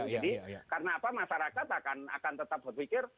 jadi karena apa masyarakat akan tetap berpikir